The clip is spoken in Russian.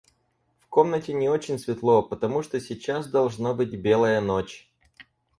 В комнате не очень светло, потому что сейчас, должно быть, белая ночь.